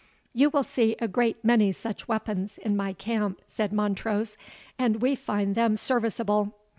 "You will see a great many such weapons in my camp," said Montrose, "and we find them serviceable."